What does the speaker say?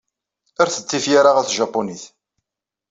Rret-d tifyar-a ɣer tjapunit.